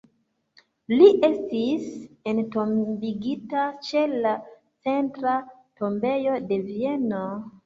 Li estis entombigita ĉe la Centra Tombejo de Vieno.